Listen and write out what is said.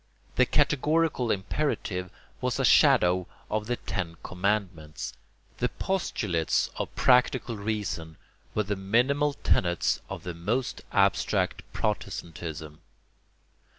The "categorical imperative" was a shadow of the ten commandments; the postulates of practical reason were the minimal tenets of the most abstract Protestantism.